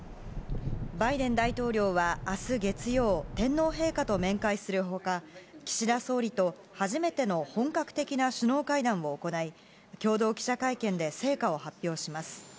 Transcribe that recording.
バイデン大統領はあす月曜、天皇陛下と面会するほか、岸田総理と初めての本格的な首脳会談を行い、共同記者会見で成果を発表します。